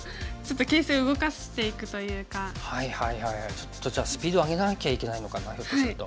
ちょっとじゃあスピードを上げなきゃいけないのかなひょっとすると。